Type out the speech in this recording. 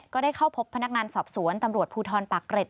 ก็ได้เข้าพบพนักงานสอบสวนตำรวจภูทรปากเกร็ด